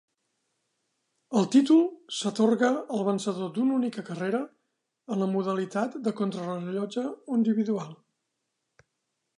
El títol s'atorga al vencedor d'una única carrera, en la modalitat de contrarellotge individual.